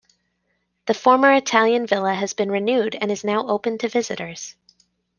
The former Italian villa has been renewed and is now open to visitors.